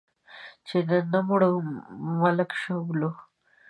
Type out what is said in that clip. چې له نه مړو، ملک شوبلو.